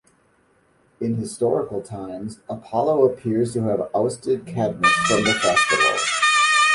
In historical times, Apollo appears to have ousted Cadmus from the festival.